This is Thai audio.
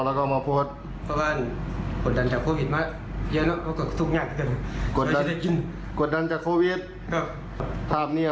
มอแล้วก็มอพวดเพราะว่ากดดันจากโควิดมาเยอะเนอะ